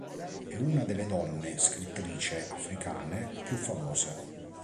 È una delle donne scrittrice africane più famose.